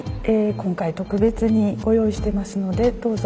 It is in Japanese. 今回特別にご用意してますのでどうぞ。